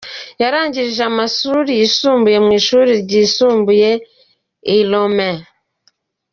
Yarangirije amashuri yisumbuye mu ishuri ryisumbuye i Lome.